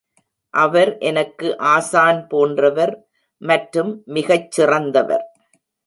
அவர் எனக்கு ஆசான் போன்றவர், மற்றும் மிகச் சிறந்தவர்.